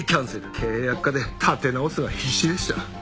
経営悪化で立て直すのが必死でした。